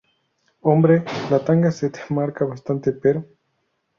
hombre, la tanga se te marca bastante, pero...